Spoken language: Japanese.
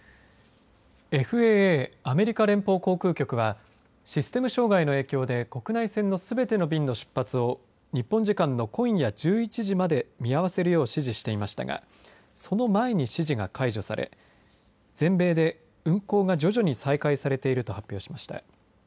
ＦＡＡアメリカ連邦航空局はシステム障害の影響で国内線のすべての便の出発を日本時間の今夜１１時まで見合わせるよう指示していましたがその前に指示が解除され全米で運航が徐々に再開されていると発表しました。